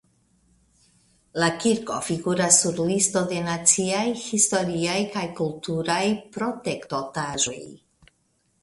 La kirko figuras sur listo de naciaj historiaj kaj kulturaj protektotaĵoj.